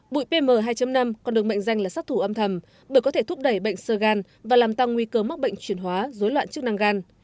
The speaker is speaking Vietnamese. bụi pm hai năm còn được mệnh danh là sát thủ âm thầm bởi có thể thúc đẩy bệnh sơ gan và làm tăng nguy cơ mắc bệnh chuyển hóa dối loạn chức năng gan